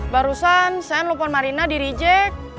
barusan saya nelfon marina di reject